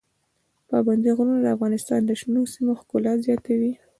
پابندي غرونه د افغانستان د شنو سیمو ښکلا زیاتوي.